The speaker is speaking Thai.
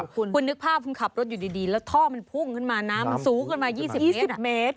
คุณนึกภาพคุณขับรถอยู่ดีแล้วท่อมันพุ่งขึ้นมาน้ำมันสูงขึ้นมา๒๐เมตร